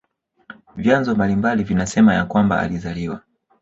Vyanzo mbalimbali vinasema ya kwamba alizaliwa